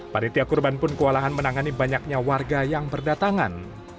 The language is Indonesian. panitia kurban pun kewalahan menangani banyaknya warga yang berdatangan